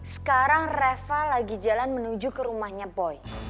sekarang reva lagi jalan menuju ke rumahnya boy